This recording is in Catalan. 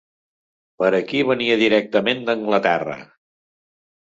Per a qui venia directament d'Anglaterra